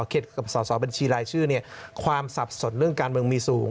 เข็ดกับส่อบัญชีรายชื่อความสับสนเรื่องการเมืองมีสูง